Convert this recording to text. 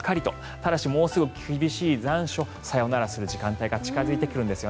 ただし、もうすぐ厳しい残暑さよならする時間帯が近付いてくるんです。